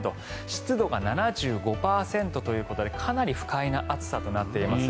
湿度が７５％ということでかなり不快な暑さとなっています。